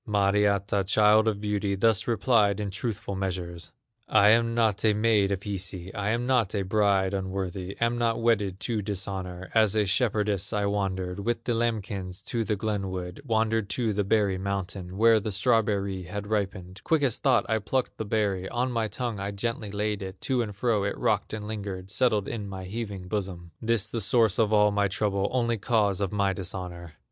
Mariatta, child of beauty, Thus replied in truthful measures: "I am not a maid of Hisi, I am not a bride unworthy, Am not wedded to dishonor; As a shepherdess I wandered With the lambkins to the glen wood, Wandered to the berry mountain, Where the strawberry had ripened; Quick as thought I plucked the berry, On my tongue I gently laid it, To and fro it rocked and lingered, Settled in my heaving bosom. This the source of all my trouble, Only cause of my dishonor!"